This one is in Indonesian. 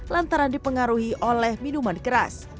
lantaran dipengaruhi oleh minuman keras